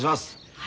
はい。